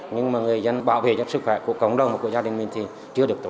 nhưng mà người dân bảo vệ cho sức khỏe của cộng đồng và của gia đình mình thì chưa được tốt